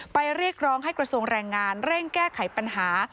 เรียกร้องให้กระทรวงแรงงานเร่งแก้ไขปัญหา